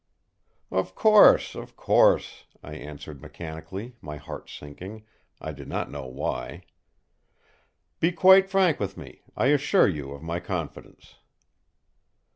"Of course! of course!" I answered mechanically, my heart sinking, I did not know why. "Be quite frank with me. I assure you of my confidence."